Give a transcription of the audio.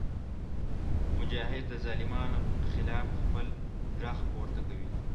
مجاهد د ظالمانو خلاف خپل غږ پورته کوي.